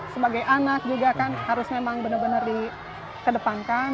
sebagai anak juga kan harus memang benar benar dikedepankan